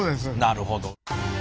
なるほど。